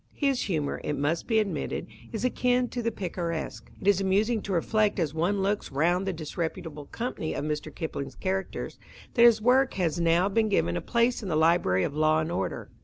His humour, it must be admitted, is akin to the picaresque. It is amusing to reflect as one looks round the disreputable company of Mr. Kipling's characters, that his work has now been given a place in the library of law and order.